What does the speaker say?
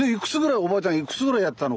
いくつぐらいやってたの？